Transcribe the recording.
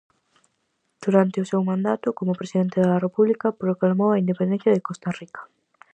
Durante o seu mandato como presidente da República proclamou a independencia de Costa Rica.